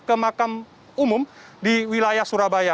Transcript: ke makam umum di wilayah surabaya